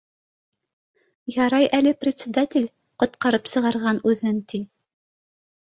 Ярай әле предсе датель ҡотҡарып сығарған үҙен, ти